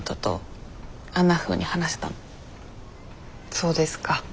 そうですか。